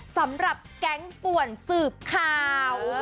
สำหรับแก๊งป่วนสืบข่าว